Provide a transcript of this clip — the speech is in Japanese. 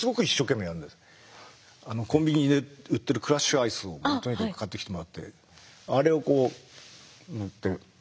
コンビニで売ってるクラッシュアイスをとにかく買ってきてもらってあれをこうやって。